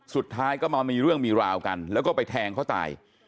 สุดท้ายก็มามีเรื่องมีราวกันแล้วก็ไปแทงเขาตาย